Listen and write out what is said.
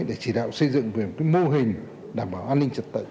để chỉ đạo xây dựng về một mô hình đảm bảo an ninh trật tự